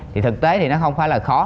thì thực tế thì nó không phải là khó